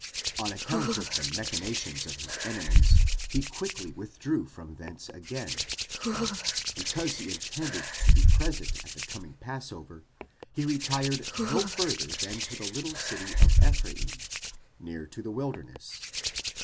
On account of the machinations of his enemies, he quickly withdrew from thence again, but, because he intended to be present at the coming Passover, he retired no further than to the little city of Ephraim, near to the wilderness (xi.